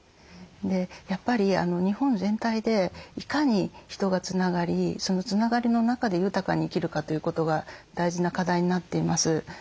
やっぱり日本全体でいかに人がつながりそのつながりの中で豊かに生きるかということが大事な課題になっています。